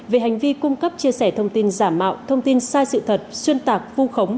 về hành vi cung cấp chia sẻ thông tin giả mạo thông tin sai sự thật xuyên tạc vu khống